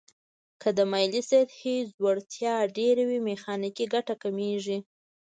که د مایلې سطحې ځوړتیا ډیر وي میخانیکي ګټه کمیږي.